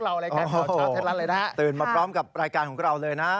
ครับโอ้โฮตื่นมาพร้อมกับรายการของเราเลยนะ